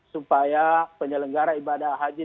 supaya penyelenggara ibadah haji